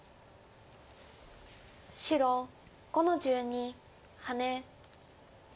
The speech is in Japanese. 白５の十二ハネ。